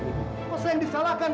kok saya yang disalahkan